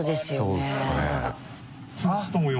そうですかね。